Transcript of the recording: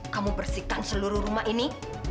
kamu bersihkan seluruh rumah ini